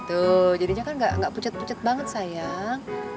tuh jadinya kan gak pucat pecet banget sayang